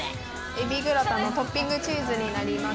エビグラタンのトッピングチーズになります。